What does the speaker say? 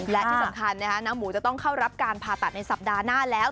และที่สำคัญน้ำหมูจะต้องเข้ารับการผ่าตัดในสัปดาห์หน้าแล้ว